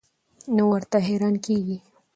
نو ورته حېران کيږي